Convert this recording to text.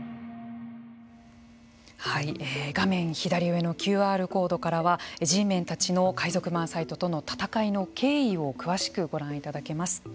画面左上のＱＲコードからはＧメンたちの海賊版サイトとの闘いの経緯を詳しくご覧いただけます。